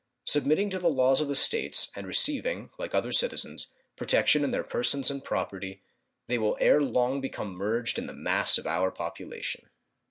Submitting to the laws of the States, and receiving, like other citizens, protection in their persons and property, they will ere long become merged in the mass of our population.